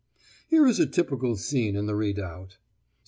Here is a typical scene in the redoubt.